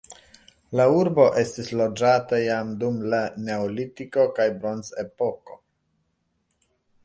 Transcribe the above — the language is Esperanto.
La urbo estis loĝata jam dum la neolitiko kaj bronzepoko.